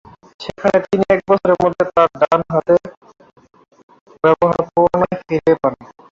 সেখানে তিনি এক বছরের মধ্যে তার ডান হাতের ব্যবহার পুনরায় ফিরে পান।